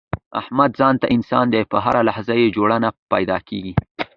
احمد ځانته انسان دی، په هر لحاظ یې جوړه نه پیداکېږي.